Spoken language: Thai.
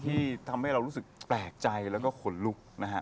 ที่ทำให้เรารู้สึกแปลกใจแล้วก็ขนลุกนะฮะ